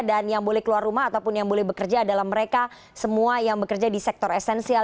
dan yang boleh keluar rumah ataupun yang boleh bekerja adalah mereka semua yang bekerja di sektor esensial